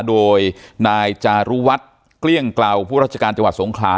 โดยนายจารุวัฒน์เกลี้ยงเกลาผู้ราชการจังหวัดสงขลา